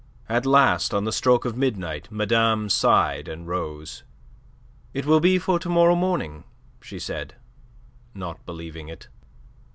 At last on the stroke of midnight, madame sighed and rose. "It will be for to morrow morning," she said, not believing it.